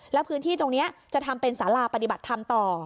แล้วพื้นที่ตรงนี้จะทำเป็นสาราปฏิบัติธรรมต่อ